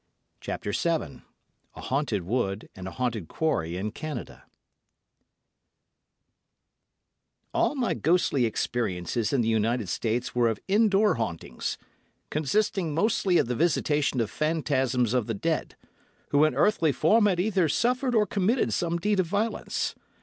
CHAPTER VII A HAUNTED WOOD AND A HAUNTED QUARRY IN CANADA All my ghostly experiences in the United States were of indoor hauntings, consisting mostly of the visitation of phantasms of the dead, who in earthly form had either suffered or committed some deed of violence.